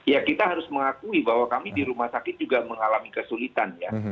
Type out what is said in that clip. ya kita harus mengakui bahwa kami di rumah sakit juga mengalami kesulitan ya